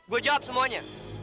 gue jawab semuanya